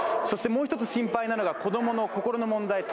そしてもうひとつ心配なのが子供の心の問題。